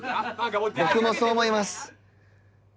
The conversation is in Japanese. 僕もそう思います